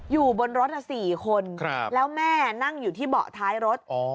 อยู่บนรถ๔คนแล้วแม่นั่งอยู่ที่เบาะท้ายรถ